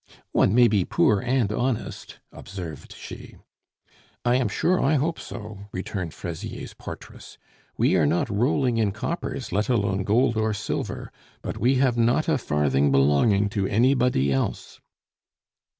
"One may be poor and honest," observed she. "I am sure I hope so," returned Fraisier's portress. "We are not rolling in coppers, let alone gold or silver; but we have not a farthing belonging to anybody else."